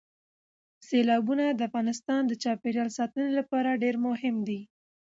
سیلابونه د افغانستان د چاپیریال ساتنې لپاره ډېر مهم دي.